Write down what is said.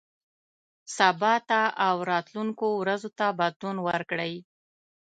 سبا ته او راتلونکو ورځو ته بدلون ورکړئ.